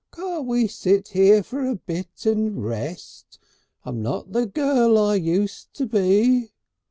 Can't we sit here for a bit and rest? I'm not the girl I use to be."